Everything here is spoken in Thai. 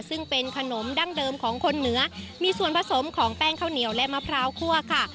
ซึ่งเป็นขนมดั้งเดิมของคนเหนือมีส่วนผสมของแป้งข้าวเหนียวและมะพร้าวคั่วค่ะ